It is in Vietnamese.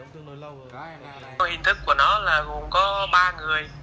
hình thức của nó là gồm có ba người